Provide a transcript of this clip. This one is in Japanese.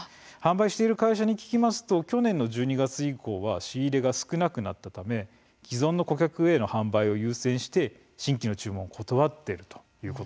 販売している会社に聞きますと去年の１２月以降は仕入れが少なくなっているため既存の顧客への販売を優先して地域の注文を断っている